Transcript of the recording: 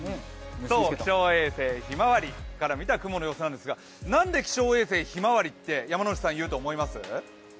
気象衛星ひまわりから見た雲の様子なんですがなんで気象衛星ひまわりって、山内さん、言うと思います？